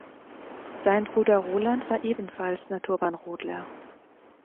Sein Bruder Roland war ebenfalls Naturbahnrodler.